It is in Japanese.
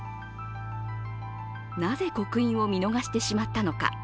なぜ刻印を見逃してしまったのか。